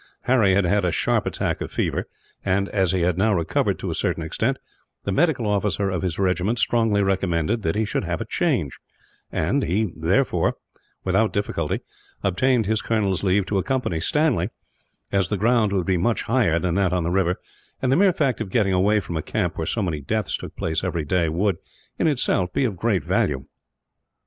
Harry had had a sharp attack of fever and, as he had now recovered, to a certain extent, the medical officer of his regiment strongly recommended that he should have a change; and he therefore, without difficulty, obtained his colonel's leave to accompany Stanley, as the ground would be much higher than that on the river, and the mere fact of getting away from a camp where so many deaths took place every day would, in itself, be of great value.